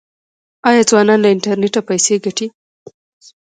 آیا ځوانان له انټرنیټ پیسې ګټي؟